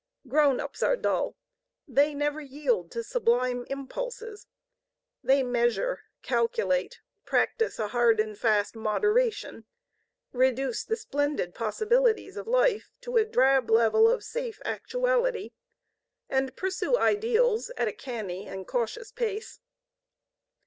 Grown ups are dull: they never yield to sublime impulses: they measure, calculate, practice a hard and fast moderation, reduce the splendid possibilities of life to a drab level of safe actuality, and pursue ideals at a canny and cautious pace.